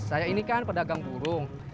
saya ini kan pedagang burung